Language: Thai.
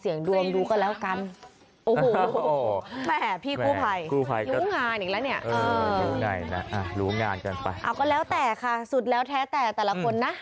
เอาก็แล้วแต่ค่ะสูตรแล้วแท้แต่แต่ละคนนะ